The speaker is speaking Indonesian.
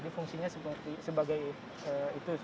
jadi fungsinya sebagai itu